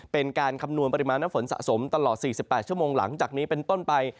เป็นการคำนวณปริมาณน้ำฝนสะสมตลอด๔๘ชั่วโมงหลังจากนี้เป็นต้นไป